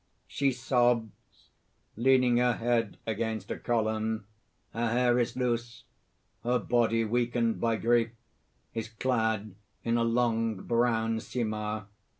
_ _She sobs; leaning her head against a column; her hair is loose; her body, weakened by grief, is clad in a long brown simar.